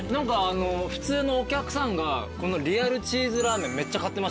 普通のお客さんがこのリアルチーズラーメンめっちゃ買ってました今。